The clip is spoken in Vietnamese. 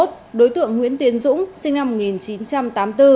đối tượng nguyễn tiến dũng sinh năm một nghìn chín trăm tám mươi bốn